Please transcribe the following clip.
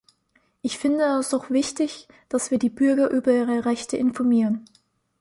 Ich finde es auch wichtig, dass wir die Bürger über ihre Rechte informieren.